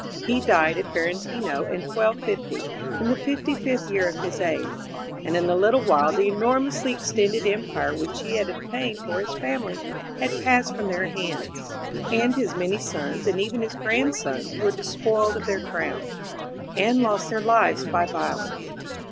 He died at Férentino, in 1250, in the fifty fifth year of his age; and in a little while the enormously extended empire which he had obtained for his family had passed from their hands, and his many sons, and even his grandsons, were despoiled of their crowns, and lost their lives by violence.